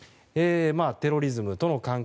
テロリズムとの関係。